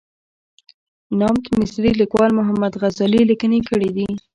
نامت مصري لیکوال محمد غزالي لیکنې کړې دي.